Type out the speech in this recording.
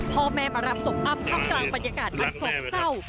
พ่อแม่มารับศพอ้ำเข้ากลางบรรยากาศและศพเศร้า